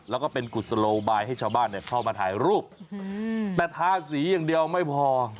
แล้วก็เป็นกุศโลบายให้ชาวบ้านเข้ามาถ่ายรูปแต่ทาสีอย่างเดียวไม่พอ